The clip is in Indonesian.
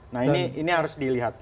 nah ini harus dilihat